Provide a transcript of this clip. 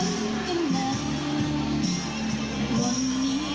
วันนี้ใจสละยังจะมันไม่ฟ้าหรือเหงื่อพอไปกัน